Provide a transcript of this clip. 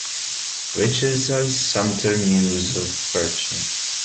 Riches are the sumpter mules of fortune.